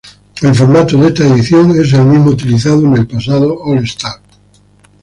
El formato de esta edición es el mismo utilizado en el pasado All-Star.